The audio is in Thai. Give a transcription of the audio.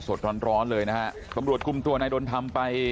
สดร้อนเลยหรือหน้าธรรมรวจกลุ่มตัวนายโดนทำไป